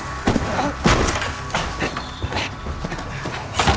あっ！